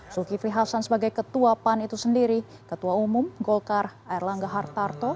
zulkifli hasan sebagai ketua pan itu sendiri ketua umum golkar air langga hartarto